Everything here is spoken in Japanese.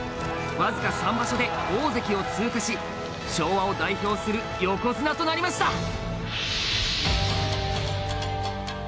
わずか３場所で大関を通過し昭和を代表する横綱となりました。